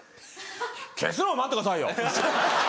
消すのは待ってくださいよ！